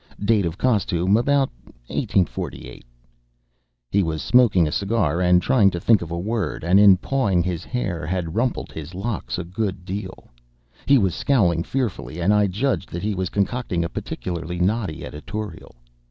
Date of costume about 1848. He was smoking a cigar, and trying to think of a word, and in pawing his hair he had rumpled his locks a good deal. He was scowling fearfully, and I judged that he was concocting a particularly knotty editorial.